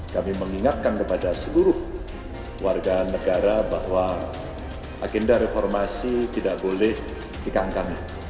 kami mengingatkan kepada seluruh warga negara bahwa agenda reformasi tidak boleh dikangkan